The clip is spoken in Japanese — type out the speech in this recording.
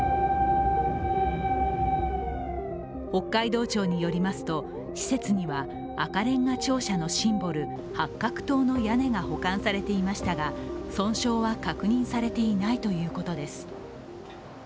北海道庁によりますと施設には、赤れんが庁舎のシンボル・八画塔の屋根が保管されていましたが損傷は確認されていないということです。